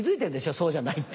そうじゃないって。